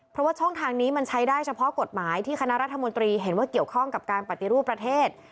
เพราะว่าช่องทางนี้มันใช้ได้เฉพาะกฎหมายที่คณะรัฐมนตรีเห็นว่าเกี่ยวข้องกับการปฏิรูปประเทศ